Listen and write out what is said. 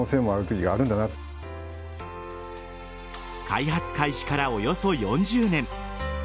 開発開始からおよそ４０年。